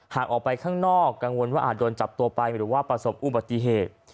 หากออกไปข้างนอกกังวลว่าอาจโดนจับตัวไปหรือว่าประสบอุบัติเหตุ